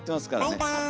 バイバーイ。